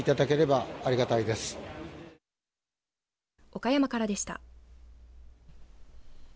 岡山からでした。